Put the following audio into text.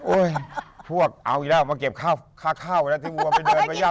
โอ๊ยพวกเอา๊ะนะมาเก็บข้าวข้าวเพราะว่าที่วัวไปเดินไปย่ำ